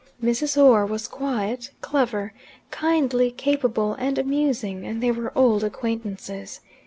Mrs. Orr was quiet, clever, kindly, capable, and amusing and they were old acquaintances.